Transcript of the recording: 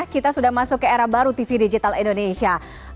kita sudah masuk ke era baru tv digital indonesia